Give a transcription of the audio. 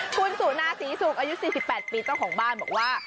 ทุนสูนาศรีสูงอายุ๔๘บ้านเจ้าของบ้านบอกว่า